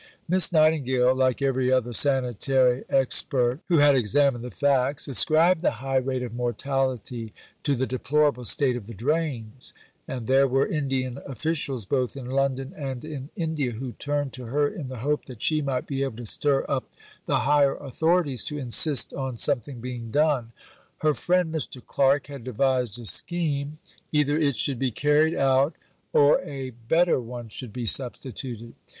Miss Nightingale, like every other sanitary expert who had examined the facts, ascribed the high rate of mortality to the deplorable state of the drains; and there were Indian officials, both in London and in India, who turned to her in the hope that she might be able to stir up the higher authorities to insist on something being done. Her friend, Mr. Clark, had devised a scheme; either it should be carried out, or a better one should be substituted.